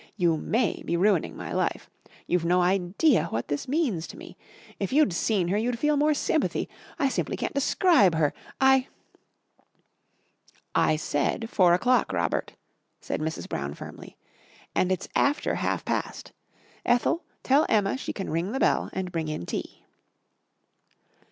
You may be ruining my life. You've no idea what this means to me. If you'd seen her you'd feel more sympathy. I simply can't describe her I " "I said four o'clock, Robert," said Mrs. Brown firmly, "and it's after half past. Ethel, tell Emma she can ring the bell and bring in tea."